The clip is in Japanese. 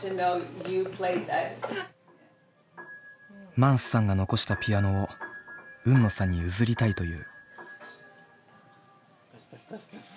マンスさんが残したピアノを海野さんに譲りたいという。